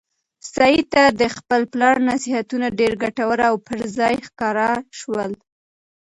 سعید ته د خپل پلار نصیحتونه ډېر ګټور او پر ځای ښکاره شول.